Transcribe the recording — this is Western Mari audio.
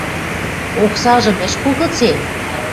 Оксажым ӹш пу гыце?